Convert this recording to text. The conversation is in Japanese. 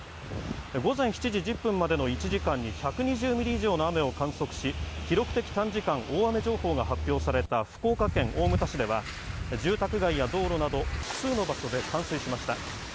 午前７時１０分までの１時間に１２０ミリ以上の雨を観測し記録的短時間大雨情報が発表された福岡県大牟田市では、住宅街や道路など複数の場所で冠水しました。